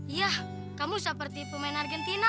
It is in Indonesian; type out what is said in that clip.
iya kamu seperti pemain argentina